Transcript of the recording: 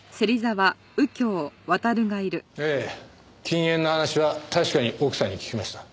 ええ禁煙の話は確かに奥さんに聞きました。